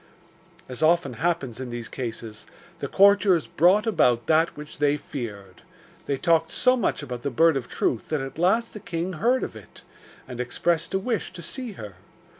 As often happens in these cases, the courtiers brought about that which they feared. They talked so much about the Bird of Truth that at last the king heard of it, and expressed a wish to see her.